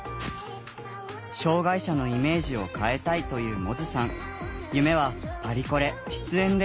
障害者のイメージを変えたいという百舌さん。